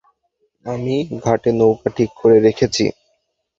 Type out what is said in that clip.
আমি ঘাটে নৌকা ঠিক করে রেখেছি।